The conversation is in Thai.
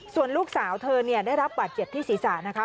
ส่วนลูกสาวเธอได้รับบาดเจ็บที่ศีรษะนะคะ